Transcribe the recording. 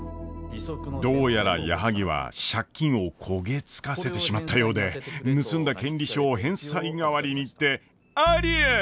どうやら矢作は借金を焦げつかせてしまったようで盗んだ権利書を返済代わりにってありえん！